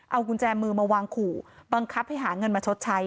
เอากุญแจมือมาวางขู่บังคับให้หาเงินมาชดใช้